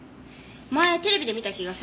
前テレビで見た気がする。